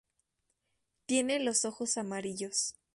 Tiene los ojos amarillos.